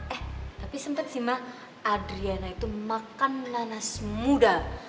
eh tapi sempat sih mak adriana itu makan nanas muda